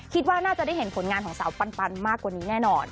คิดว่าน่าจะได้เห็นผลงานของสาวปันมากกว่านี้แน่นอน